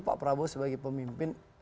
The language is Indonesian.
pak prabowo sebagai pemimpin